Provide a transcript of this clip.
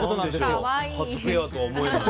初ペアとは思えない。